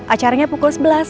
acaranya pukul tujuh belas